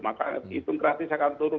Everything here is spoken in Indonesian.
maka hitung gratis akan turun